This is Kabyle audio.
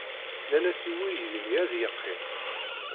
Nnan-as i weydi-nni ad yeqqim.